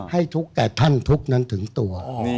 ให้ทุกข์แต่ท่านทุกข์นั้นถึงตัว